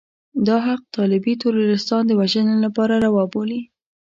دا حق طالبي تروريستان د وژنې لپاره روا بولي.